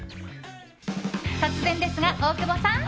突然ですが大久保さん！